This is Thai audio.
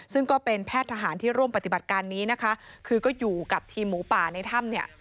ซึ่งก็เป็นแพทย์ทหารที่ร่วมปฏิบัติการนี้นะคะคือก็อยู่กับทีมหมูป่าในถ้ำเนี่ย